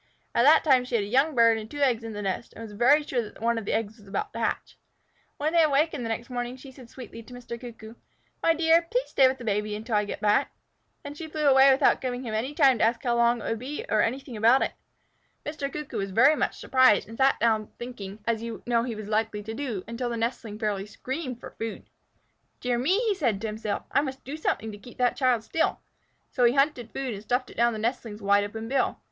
At that time she had a young bird and two eggs in the nest, and was very sure that one of the eggs was about to hatch. When they awakened the next morning, she said sweetly to Mr. Cuckoo, "My dear, please stay with the baby until I get back." Then she flew away without giving him time to ask how long it would be or anything about it. Mr. Cuckoo was much surprised, and sat there thinking, as you know he was likely to do, until the nestling fairly screamed for food. "Dear me!" said he to himself, "I must do something to keep that child still." So he hunted food and stuffed it down the nestling's wide open bill.